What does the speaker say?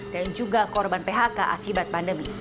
dan juga korban phk akibat pandemi